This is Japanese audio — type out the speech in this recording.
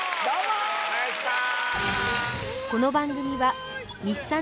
お願いします！